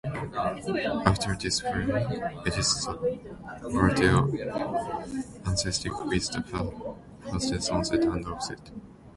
After desflurane, it is the volatile anesthetic with the fastest onset and offset.